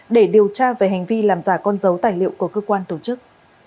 để điều tra về hành vi làm giả con dấu tài liệu của cơ quan tổ chức